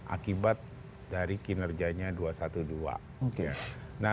akibat dari kinerjanya